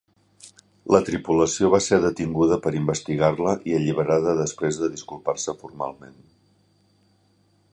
La tripulació va ser detinguda per investigar-la i alliberada després de disculpar-se formalment.